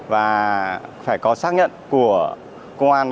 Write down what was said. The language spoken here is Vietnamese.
và phải có xác nhận của công an